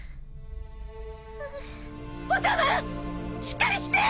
しっかりして！